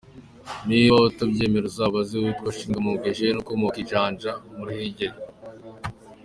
Niba utabyemera uzabaze uwitwa Shimamungu Eugene ukomoka i Janja mu Ruhengeri.